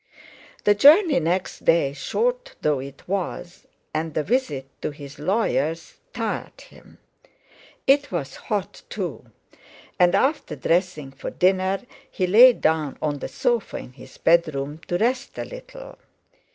The journey next day, short though it was, and the visit to his lawyer's, tired him. It was hot too, and after dressing for dinner he lay down on the sofa in his bedroom to rest a little.